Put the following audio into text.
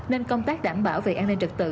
nên công tác đảm bảo về an ninh trật tự